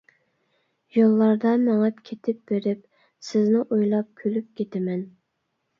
يوللاردا مېڭىپ كېتىپ بېرىپ، سىزنى ئويلاپ كۈلۈپ كېتىمەن.